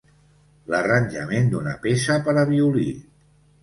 L'arranjament d'una peça per a violí.